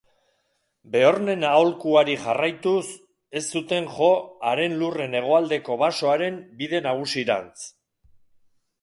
Beornen aholkuari jarraituz, ez zuten jo haren lurren hegoaldeko basoaren bide nagusirantz.